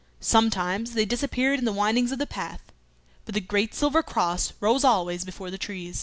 Sometimes they disappeared in the windings of the path; but the great silver cross rose always before the trees.